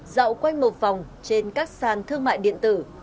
dạo quanh một phòng trên các sàn thương mại điện tử